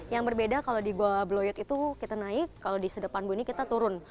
yang berbeda kalau di goa bloyot itu kita naik kalau di sedepan buni kita turun